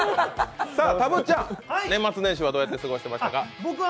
たぶっちゃんは年末年始、どうやって過ごしてましたか？